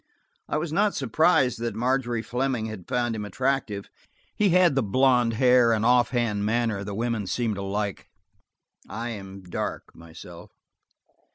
I was not surprised that Margery Fleming had found him attractive–he had the blond hair and off hand manner that women seem to like. I am dark, myself.